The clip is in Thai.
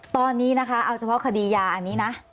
ตอนนี้นะคะเอาเฉพาะคดียาอันนี้นะ